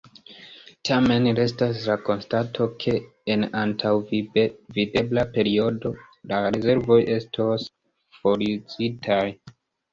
Tamen, restas la konstato ke en antaŭvidebla periodo la rezervoj estos foruzitaj.